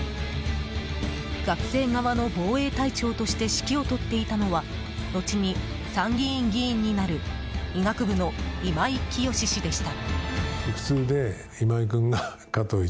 学生側の防衛隊長として指揮を執っていたのは後に参議院議員になる医学部の今井澄氏でした。